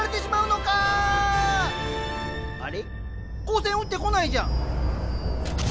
光線撃ってこないじゃん。